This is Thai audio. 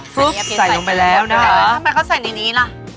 ใส่ลงไปแล้วนะคะทำไมเขาใส่ในนี้ล่ะ